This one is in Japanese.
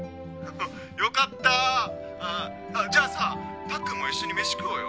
よかった！じゃあさたっくんも一緒にメシ食おうよ